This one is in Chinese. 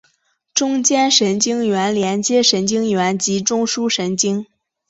中间神经元连接神经元及中枢神经。